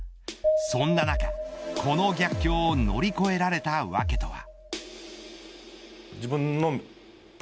そんな中、この逆境を乗り越えられたわけとは。